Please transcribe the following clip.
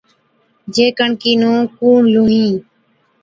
جي ڪڻڪِي نُون ڪُوڻ لُڻهِي؟